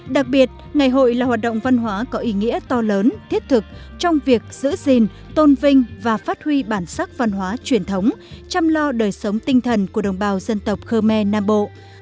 đặc biệt ngày hội là hoạt động văn hóa có ý nghĩa to lớn thiết thực trong việc giữ gìn tôn vinh và phát huy bản sắc văn hóa truyền thống chăm lo đời sống tinh thần của đồng bào dân tộc khơ me nam bộ